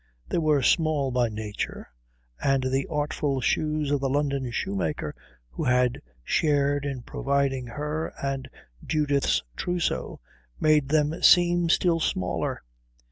They were small by nature, and the artful shoes of the London shoemaker who had shared in providing her and Judith's trousseau made them seem still smaller.